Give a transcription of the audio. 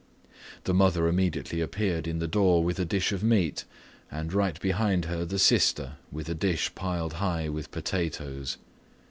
The mother immediately appeared in the door with a dish of meat and right behind her the sister with a dish piled high with potatoes.